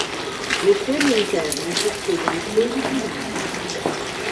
Le serie interne possiedono peli più lunghi.